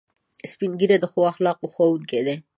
سپین ږیری د ښو اخلاقو ښوونکي دي